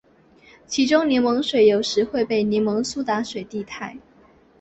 其中柠檬水有时会被柠檬苏打水代替。